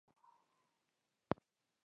د مرستندويه طبي ګروپ غړي په توګه تللی و.